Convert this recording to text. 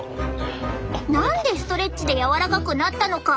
何でストレッチで柔らかくなったのか。